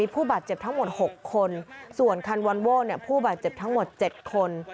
ผู้บาดเจ็บทั้งหมด๖คนส่วนคันวอนโว้ผู้บาดเจ็บทั้งหมด๗คน